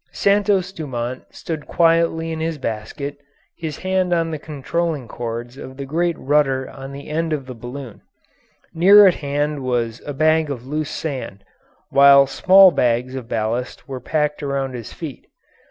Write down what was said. Santos Dumont stood quietly in his basket, his hand on the controlling cords of the great rudder on the end of the balloon; near at hand was a bag of loose sand, while small bags of ballast were packed around his feet.